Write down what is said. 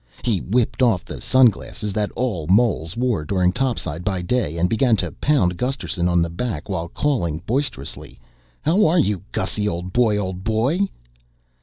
He whipped off the sunglasses that all moles wore topside by day and began to pound Gusterson on the back while calling boisterously, "How are you, Gussy Old Boy, Old Boy?"